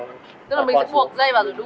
tức là mình sẽ muộn dây vào rồi đu